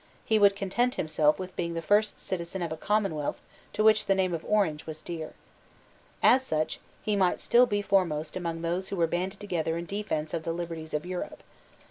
He would content himself with being the first citizen of a commonwealth to which the name of Orange was dear. As such, he might still be foremost among those who were banded together in defence of the liberties of Europe.